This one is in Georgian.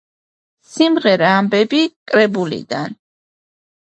სიმღერა „ამბები“ კრებულიდან.